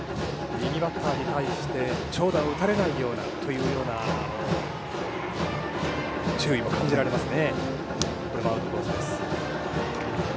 右バッターに対して長打を打たれないようなというような注意も感じられます。